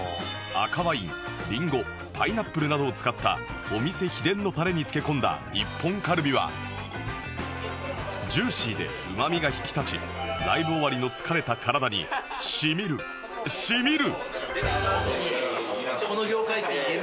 赤ワインりんごパイナップルなどを使ったお店秘伝のタレに漬け込んだ一本カルビはジューシーでうまみが引き立ちライブ終わりの疲れた体に染みる染みる！